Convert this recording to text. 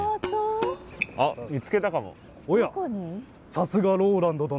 さすがＲＯＬＡＮＤ殿！